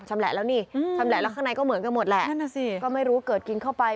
ชำแหละแล้วนี่ในก็เหมือนกันหมดและก็ไม่รู้เกิดกินเข้าไป